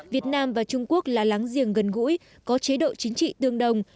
việt nam và trung quốc là láng giềng gần gũi có chế độ chính trị tương đồng